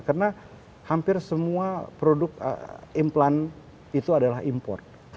karena hampir semua produk implant itu adalah import